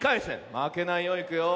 まけないよ。いくよ。